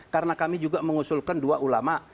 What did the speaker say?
karena kami juga mengusulkan dua ulama